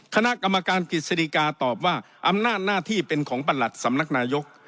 คณะกรรมการกฤษฎิกาตอบว่าอำนาจหน้าที่เป็นของประหลัดสำนักนายก